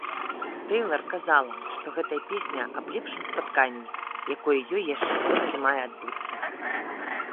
Тэйлар казала, што гэтая песня аб лепшым спатканні, якое ёй яшчэ толькі мае адбыцца.